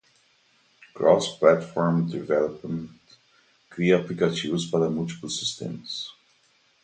Cross-Platform Development cria aplicativos para múltiplos sistemas.